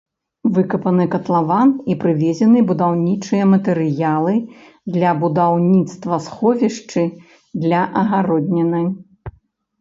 Выкапаны катлаван і прывезены будаўнічыя матэрыялы для будаўніцтва сховішчы для агародніны.